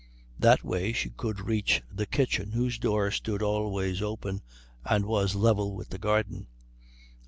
That way she could reach the kitchen, whose door stood always open and was level with the garden.